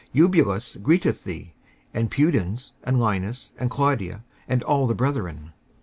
Eubulus greeteth thee, and Pudens, and Linus, and Claudia, and all the brethren.